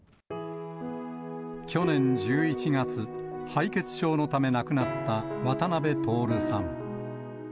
去年１１月、敗血症のため亡くなった渡辺徹さん。